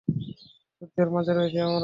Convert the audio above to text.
যুদ্ধের মাঝে রয়েছি আমরা।